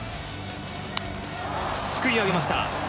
すくい上げました。